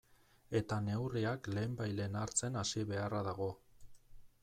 Eta neurriak lehenbailehen hartzen hasi beharra dago.